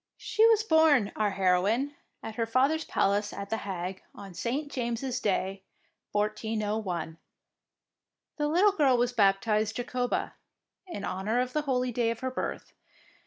She was born, our heroine, at her father's palace at The Hague on St. James' Day, 1401. The little girl was baptised Jacoba, in honour of the holy day of her birth.